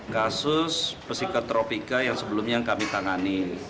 kasus psikotropika yang sebelumnya yang kami tangani